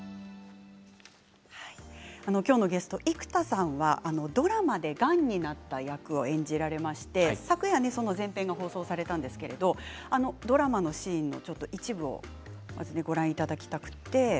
今日のゲスト、生田さんはドラマで、がんになった役を演じられまして昨夜その前編が放送されたんですけれどドラマのシーンの一部をご覧いただきたくて。